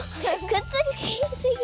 くっつきすぎ。